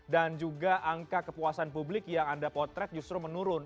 dan juga angka kepuasan publik yang anda potret justru menurun